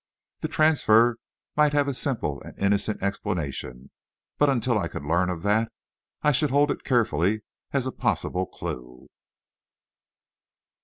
The transfer might have a simple and innocent explanation, but until I could learn of that, I should hold it carefully as a possible clue.